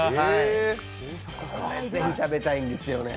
ぜひ食べたいんですよね。